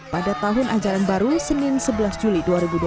pada tahun ajaran baru senin sebelas juli dua ribu dua puluh